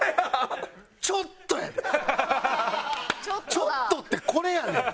ちょっとってこれやねん。